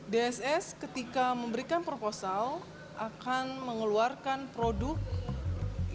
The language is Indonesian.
dss ketika memberikan proposal akan mengeluarkan produk yang akan dihasilkan